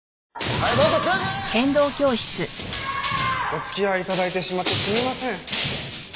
お付き合い頂いてしまってすみません。